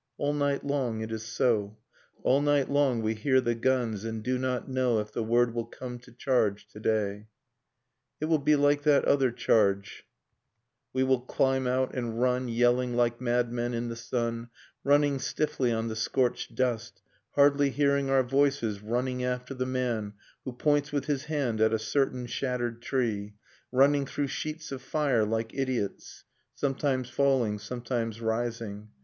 ., All night long it is so, All night long we hear the guns, and do not know If the word will come to charge to day. rv. It will be like that other charge— We will climb out and run Yelling like madmen in the sun Running stiffly on the scorched dust Hardly hearing our voices Running after the man who points with his hand 1915: The Trenches At a certain shattered tree, Running through sheets of fire like idiots, Sometimes falling, sometimes rising.